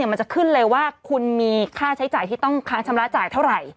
มันจะขึ้นเลยว่าคุณมีค่าใช้จ่ายที่ต้องค้างชำระจ่ายเท่าไหร่